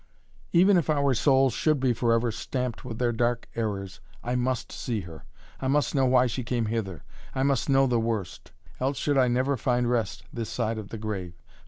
"Even if our souls should be forever stamped with their dark errors I must see her. I must know why she came hither I must know the worst. Else should I never find rest this side of the grave.